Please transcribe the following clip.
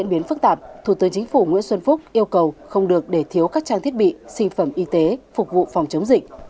bộ nguyễn xuân phúc yêu cầu không được để thiếu các trang thiết bị sinh phẩm y tế phục vụ phòng chống dịch